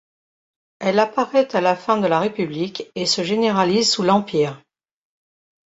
Elle apparaît à la fin de la République et se généralise sous l'Empire.